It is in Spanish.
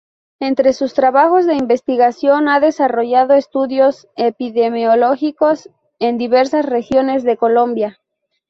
Entre sus trabajos de investigación ha desarrollado estudios epidemiológicos en diversas regiones de Colombia.